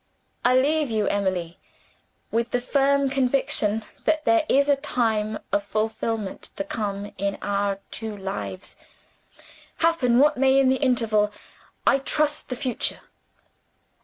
I leave you, Emily with the firm conviction that there is a time of fulfillment to come in our two lives. Happen what may in the interval I trust the future."